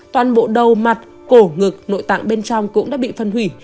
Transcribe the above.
toàn bộ đầu mặt cổ ngực nội tạng bên trong cũng đã bị phân hủy